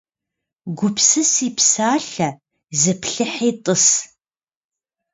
Gupsısi psalhe, zıplhıhi t'ıs.